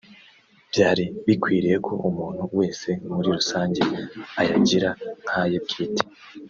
byari bikwiriye ko umuntu wese muri rusange ayagira nkáye bwite